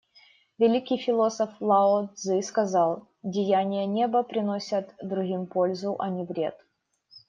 Великий философ Лао Цзы сказал: «Деяния Неба приносят другим пользу, а не вред.